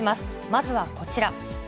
まずはこちら。